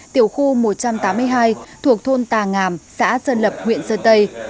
tiểu khu một trăm tám mươi hai thuộc thôn tà ngàm xã sơn lập huyện sơn tây